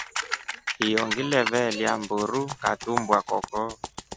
Hiyo ngile veelya mburu ngatumbwa koko.